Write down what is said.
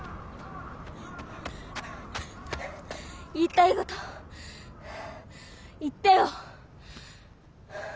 言いたいこと言ってよ！